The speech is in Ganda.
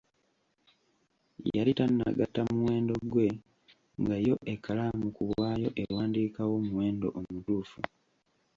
Yali tannagatta muwendo gwe nga yo ekkalaamu ku bwayo ewandiikawo omuwendo omutuufu.